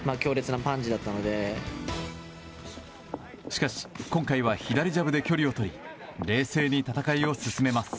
しかし、今回は左ジャブで距離を取り冷静に戦いを進めます。